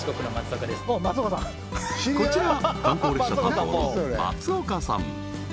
こちら観光列車担当の松岡さん